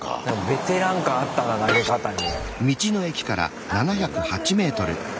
ベテラン感あったな投げ方に。